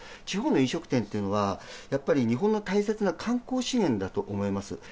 地方の飲食店っていうのは、やっぱり日本の大切な観光資源だと思います。